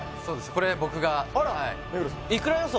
これ僕がいくら予想？